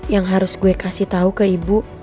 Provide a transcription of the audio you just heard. yang harus gue kasih tau ke ibu